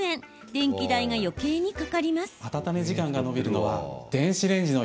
電気代がよけいにかかります。